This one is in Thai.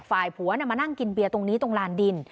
ฝ่ายผัวมานั่งกินเบียร์ตรงนี้ตรงลานดิน